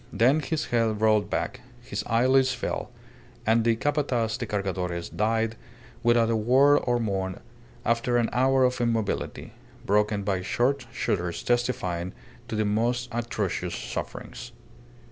Then his head rolled back, his eyelids fell, and the Capataz de Cargadores died without a word or moan after an hour of immobility, broken by short shudders testifying to the most atrocious sufferings.